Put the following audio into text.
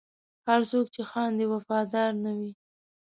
هر څوک چې خاندي، وفادار نه وي.